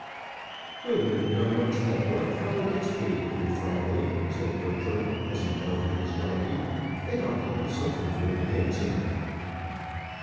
"I wonder how much that black fellow gets paid every Friday," said Bertram, as he mounted his donkey; "it ought to be something very handsome."